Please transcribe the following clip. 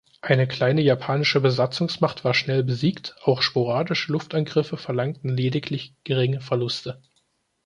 Eine kleine japanische Besatzungsmacht war schnell besiegt, auch sporadische Luftangriffe verlangten lediglich geringe Verluste.